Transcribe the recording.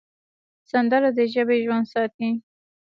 سندره د ژبې ژوند ساتي